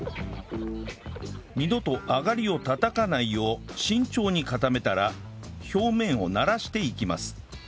二度とあがりをたたかないよう慎重に固めたら表面をならしていきます